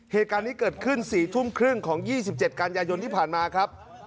เหตุการณ์นี้เกิดขึ้น๔ทุ่มครึ่งของ๒๗กันยายนที่ผ่านมาครับ